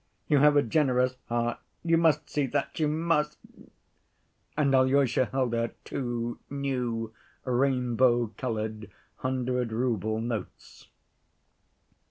You have a generous heart ... you must see that, you must," and Alyosha held out two new rainbow‐colored hundred‐rouble notes.